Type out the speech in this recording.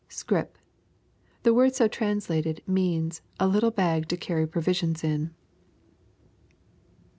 [Scrip.] The word so translated, means, a little bag to carry provisions in.